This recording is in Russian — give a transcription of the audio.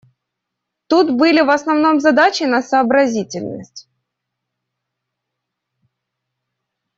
Тут были в основном задачи на сообразительность.